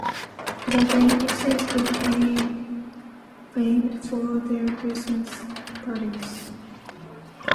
The Davises became famed for their Christmas parties.